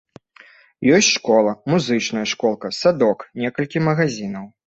Ёсць школа, музычная школка, садок, некалькі магазінаў.